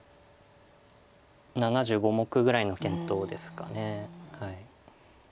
７５目ぐらいの見当ですか。